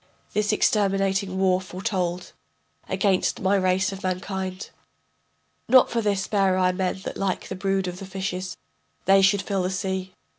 This exterminating war foretold Against my race of mankind. Not for this bare I men that like the brood of the fishes They should fill the sea.